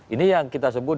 ini yang kita sebut